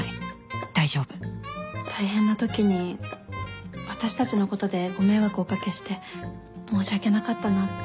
大丈夫大変なときに私たちのことでご迷惑をお掛けして申し訳なかったなって。